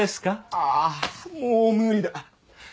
ああもう無理だ。